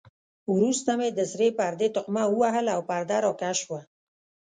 وروسته مې د سرې پردې تقمه ووهل او پرده را کش شوه.